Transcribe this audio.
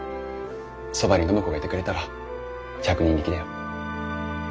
そばに暢子がいてくれたら百人力だよ。